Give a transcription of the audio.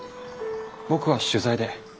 僕は取材で。